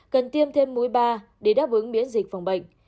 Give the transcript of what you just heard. cần tiêm thêm mũi ba để đáp ứng miễn dịch phòng bệnh